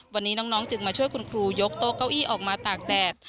วันนี้น้องจึงมาช่วยคุณครูยกโต๊ะเก้าอี้ออกมาตากแดด